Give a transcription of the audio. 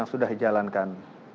itu sudah dijalankan